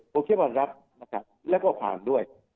ผมคิดว่ารับนะครับแล้วก็ผ่านด้วย